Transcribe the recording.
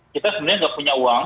kita sebenarnya nggak punya uang